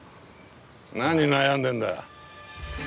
何悩んでんだ。